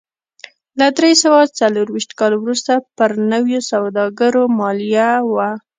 له درې سوه څلرویشت کال وروسته پر نویو سوداګرو مالیه و